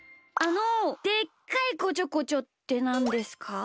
あの「でっかいこちょこちょ」ってなんですか？